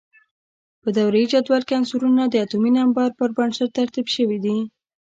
په دوره یي جدول کې عنصرونه د اتومي نمبر پر بنسټ ترتیب شوي دي.